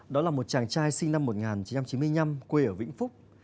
đó là một chàng trai sinh năm một nghìn chín trăm chín mươi năm quê ở vĩnh phúc